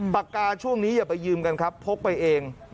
ปากกาช่วงนี้อย่าไปยืมกันครับพกไปเอง